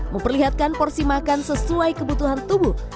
memperlihatkan porsi makan sesuai kebutuhan tubuh